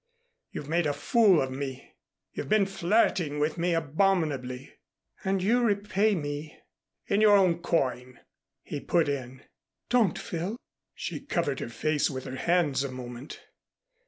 "You've made a fool of me. You've been flirting with me abominably." "And you repay me " "In your own coin," he put in. "Don't, Phil." She covered her face with her hands a moment.